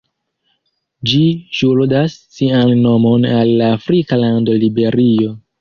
Ĝi ŝuldas sian nomon al la afrika lando Liberio.